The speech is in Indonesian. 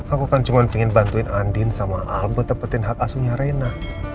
aku kan cuma pengen bantuin andin sama al buat nepetin hak aslinya reina